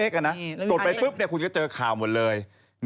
กดไปปุ๊บคุณก็เจอข่าวหมดเลย